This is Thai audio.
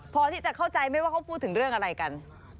พอที่จะเข้าใจไหมว่าเขาพูดถึงเรื่องอะไรกัน